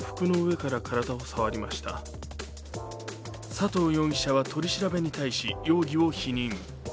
佐藤容疑者は取り調べに対し容疑を否認。